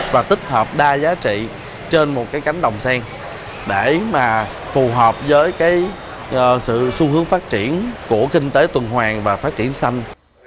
và tích hợp đa giá trị trên một cái cánh đồng sen để mà phù hợp với cái sự xu hướng phát triển của kinh tế tuần hoàng và phát triển xanh